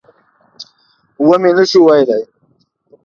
ومې نه شوای ویلای.